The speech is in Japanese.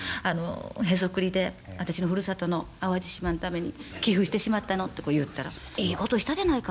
ヘソクリで私のふるさとの淡路島のために寄付してしまったの」ってこう言ったら「いいことしたじゃないか。